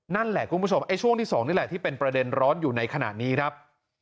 นั่นแหละคุณผู้ชมไอ้ช่วงที่๒นี่แหละที่เป็นประเด็นร้อนอยู่ในขณะนี้ครับ